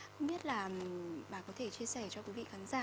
không biết là bà có thể chia sẻ cho quý vị khán giả